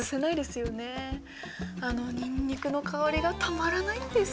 あのにんにくの香りがたまらないんです。